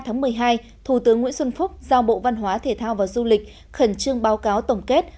ngày một mươi ba một mươi hai thủ tướng nguyễn xuân phúc giao bộ văn hóa thể thao và du lịch khẩn trương báo cáo tổng kết